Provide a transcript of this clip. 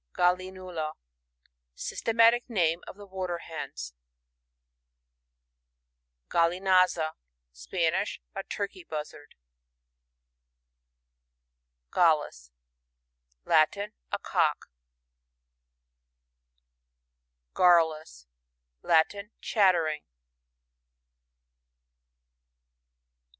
Gallinula. — Systematic name of the Water hens. Gallinaza. — Spanish. A Turkey, buzzard. Gallus. — Latin. A Cock. Garrulus. — Latin. Chattering.